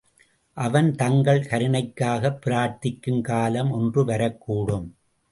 அவன் தங்கள் கருணைக்காகப் பிரார்த்திக்கும் காலம் ஒன்று வரக்கூடும்.